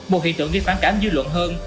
một hiện tượng ghi phản cảm dư luận hơn